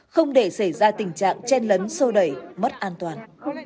không để xảy ra tình trạng chen lấn sô đẩy mất an toàn